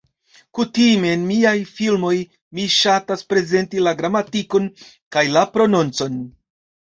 Kutime en miaj filmoj, mi ŝatas prezenti la gramatikon, kaj la prononcon.